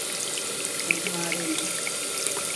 Uʼmáremu.